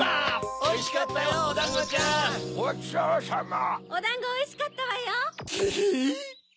おだんごおいしかったわよ。